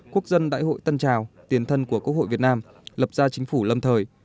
quốc dân đại hội tân trào tiền thân của quốc hội việt nam lập ra chính phủ lâm thời